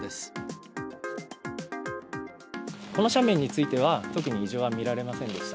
この斜面については、特に異常は見られませんでした。